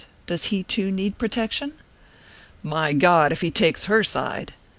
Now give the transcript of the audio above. Does he too need protection?" "My God, if he takes her side